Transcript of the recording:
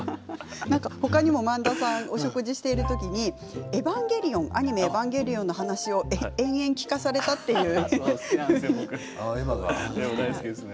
他にも萬田さんはお食事している時にアニメ「エヴァンゲリオン」の話を延々聞かされたというふうにお話していました。